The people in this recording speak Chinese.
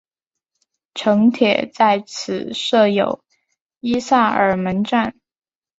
城铁在此设有伊萨尔门站。